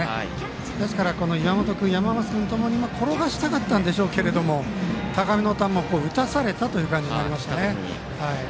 ですから、岩本君山増君ともに転がしたかったんですけど高めの球打たされたという感じになりましたね。